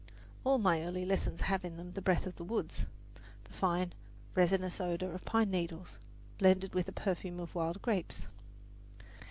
All my early lessons have in them the breath of the woods the fine, resinous odour of pine needles, blended with the perfume of wild grapes.